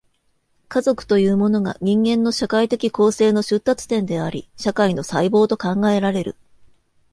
家族というものが、人間の社会的構成の出立点であり、社会の細胞と考えられる。